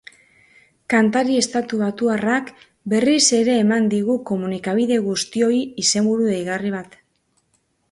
Kantari estatubatuarrak berriz ere eman digu komunikabide guztioi izenburu deigarri bat.